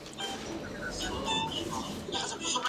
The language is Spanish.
Western aclara el malentendido, rehúsa enfurecida.